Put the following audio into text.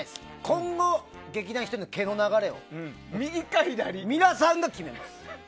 今後、劇団ひとりの毛の流れを右から左、皆さんが決めます。